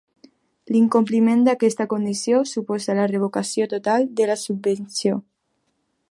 L'incompliment d'aquesta condició suposa la revocació total de la subvenció.